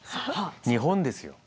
日本ですよ。